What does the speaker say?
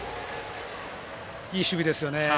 いい守備ですよね。